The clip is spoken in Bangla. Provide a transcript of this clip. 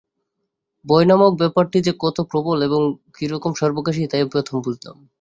ভয় নামক ব্যাপারটি যে কত প্রবল এবং কী-রকম সর্বগ্রাসী, তা এই প্রথম বুঝলাম।